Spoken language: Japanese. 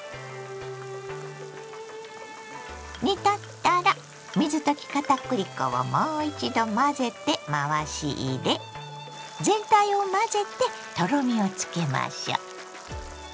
煮立ったら水溶き片栗粉をもう一度混ぜて回し入れ全体を混ぜてとろみをつけましょ。